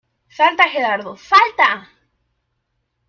Salta, Gerardo, ¡salta!